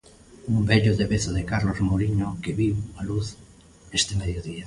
Un vello devezo de Carlos Mouriño, que viu a luz este mediodía.